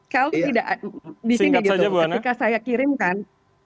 kalau tidak disingkat saja bu hana